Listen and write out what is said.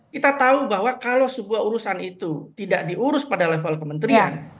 kita tahu bahwa kalau sebuah urusan itu tidak diurus pada level kementerian